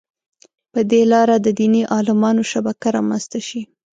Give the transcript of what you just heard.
په دې لاره د دیني عالمانو شبکه رامنځته شي.